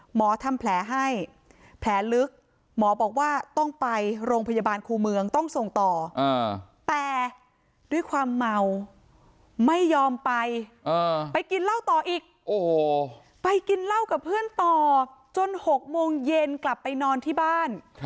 หมอทำแผลให้แผลลึกหมอบอกว่าต้องไปโรงพยาบาลครูเมืองต้องส่งต่อแต่ด้วยความเมาไม่ยอมไปไปกินเหล้าต่ออีกไปกินเหล้ากับเพื่อนต่อจน๖โมงเย็นกลับไปนอนที่บ้าน